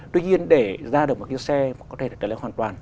tuy nhiên để ra được một chiếc xe có thể là trở lại hoàn toàn